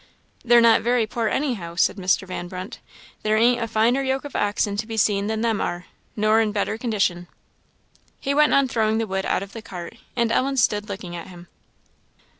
"They're not very poor anyhow," said Mr. Van Brunt; "there ain't a finer yoke of oxen to be seen than them are, nor in better condition." He went on throwing the wood out of the cart, and Ellen stood looking at him.